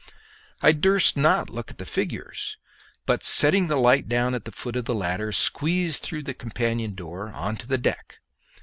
I durst not look at the figures, but, setting the light down at the foot of the ladder, squeezed through the companion door on to the deck.